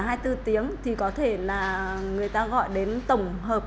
cả hai tư tiếng thì có thể là người ta gọi đến tổng hợp